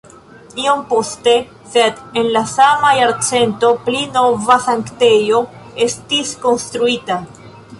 Iom poste sed en la sama jarcento pli nova sanktejo estis konstruita.